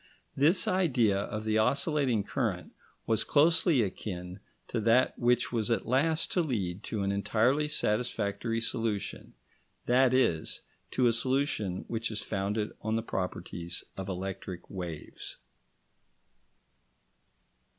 This idea of the oscillating current was closely akin to that which was at last to lead to an entirely satisfactory solution: that is, to a solution which is founded on the properties of electric waves.